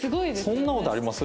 そんな事あります？